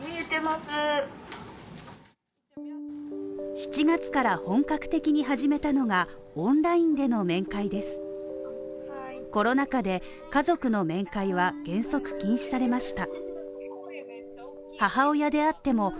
７月から本格的に始めたのが、オンラインでの面会ですコロナ禍で、家族の面会は原則禁止されました